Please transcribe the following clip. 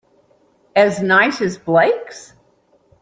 As nice as Blake's?